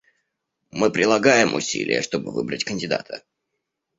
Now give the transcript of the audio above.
Мы прилагаем усилия, чтобы выбрать кандидата.